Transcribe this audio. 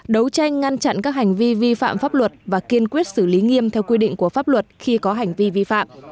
đấu tranh ngăn chặn các hành vi vi phạm pháp luật và kiên quyết xử lý nghiêm theo quy định của pháp luật khi có hành vi vi phạm